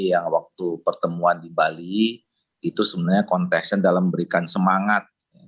yang waktu pertemuan di bali itu sebenarnya contesen dalam memberikan semangat